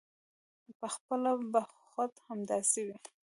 پخپله به خود همداسې وي.